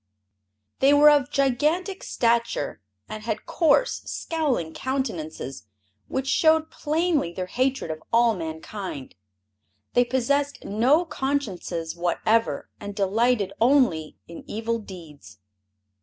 They were of gigantic stature and had coarse, scowling countenances which showed plainly their hatred of all mankind. They possessed no consciences whatever and delighted only in evil deeds.